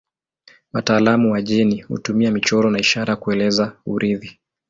Wataalamu wa jeni hutumia michoro na ishara kueleza urithi.